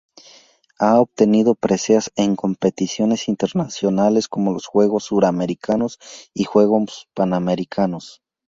Ha obtenido preseas en competiciones internacionales como los Juegos Suramericanos y Juegos Panamericanos.